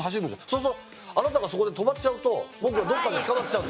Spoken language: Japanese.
そうするとあなたがそこで止まっちゃうと僕がどっかで捕まっちゃう。